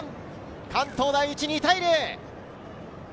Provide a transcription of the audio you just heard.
関東第一、２対０。